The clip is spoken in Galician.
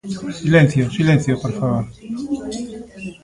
Silencio, ¡silencio, por favor!